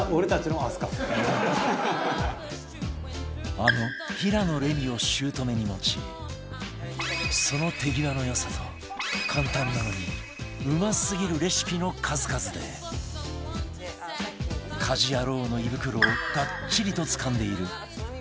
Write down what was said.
あの平野レミを姑に持ちその手際の良さと簡単なのにうますぎるレシピの数々で家事ヤロウの胃袋をがっちりとつかんでいる